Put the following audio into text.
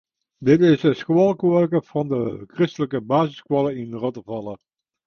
Dit is it skoalkoarke fan de kristlike basisskoalle yn Rottefalle.